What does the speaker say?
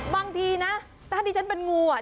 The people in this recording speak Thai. บางทีนะถ้าดิฉันเป็นงูอ่ะ